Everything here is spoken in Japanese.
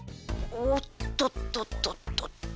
おっとっとっとっとっと。